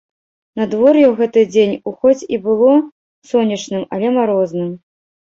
Надвор'е ў гэты дзень у хоць і было сонечным, але марозным.